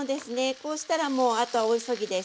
こうしたらもうあとは大急ぎです。